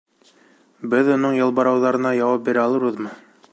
Беҙ уның ялбарыуҙарына яуап бирә алырбыҙмы?